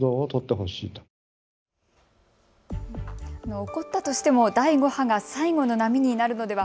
起こったとしても第５波が最後の波になるのでは。